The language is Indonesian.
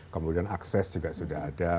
kemudian akses juga sudah ada